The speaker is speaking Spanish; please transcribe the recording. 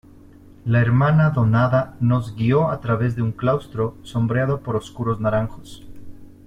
la hermana donada nos guió a través de un claustro sombreado por oscuros naranjos.